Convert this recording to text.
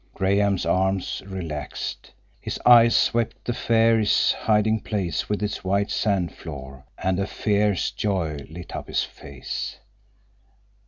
Graham's arms relaxed. His eyes swept the fairies' hiding place with its white sand floor, and fierce joy lit up his face.